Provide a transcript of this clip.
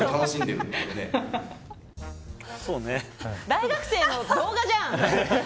大学生の動画じゃん。